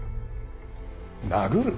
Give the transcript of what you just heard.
殴る！？